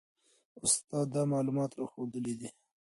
استاد دا معلومات راښوولي دي.